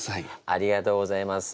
ありがとうございます。